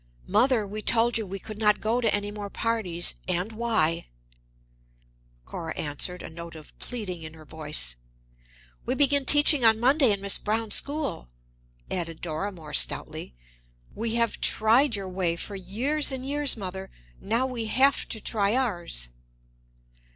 "Mother, we told you we could not go to any more parties, and why," Cora answered, a note of pleading in her voice. "We begin teaching on Monday in Miss Browne's school," added Dora more stoutly. "We have tried your way for years and years, mother. Now we have to try ours."